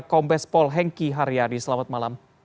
kombes pol hengkiharyadi selamat malam